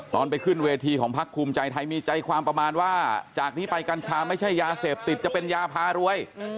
ไปขึ้นเวทีของพักภูมิใจไทยมีใจความประมาณว่าจากนี้ไปกัญชาไม่ใช่ยาเสพติดจะเป็นยาพารวย